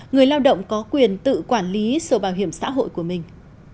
người lao động có quyền tự quản lý sổ bảo hiểm xã hội của mình